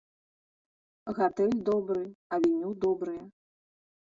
Гатэль добры, авеню добрыя.